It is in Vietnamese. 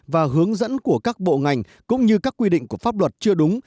và hướng dẫn của các bộ ngành cũng như các quy định của pháp luật chưa đúng